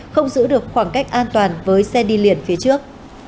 không giữ được khoảng cách an toàn với xe đi liền phía trước